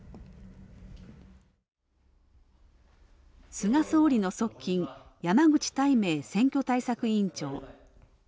菅総理の側近山口泰明選挙対策委員長。